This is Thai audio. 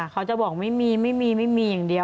เขาจะบอกไม่มีอย่างเดียว